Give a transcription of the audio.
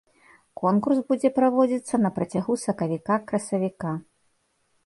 Конкурс будзе праводзіцца на працягу сакавіка-красавіка.